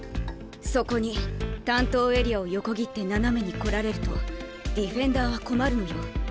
そこに担当エリアを横切って斜めに来られるとディフェンダーは困るのよ。